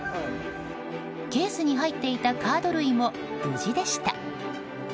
ケースに入っていたカード類も無事でした。